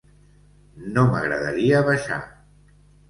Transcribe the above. No m'agradaria baixar.